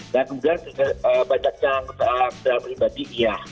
dan kemudian banyaknya kendaraan pribadi iya